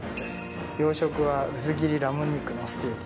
洋食は薄切りラム肉のステーキ。